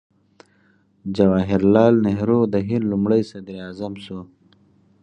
جواهر لال نهرو د هند لومړی صدراعظم شو.